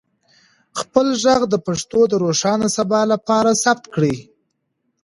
خپل ږغ د پښتو د روښانه سبا لپاره ثبت کړئ.